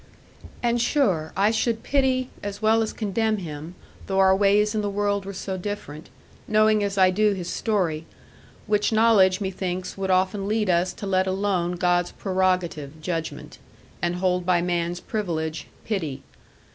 And sure, I should pity, as well as condemn him though our ways in the world were so different, knowing as I do his story; which knowledge, methinks, would often lead us to let alone God's prerogative judgment, and hold by man's privilege pity.